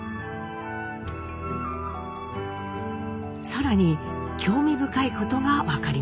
更に興味深いことが分かりました。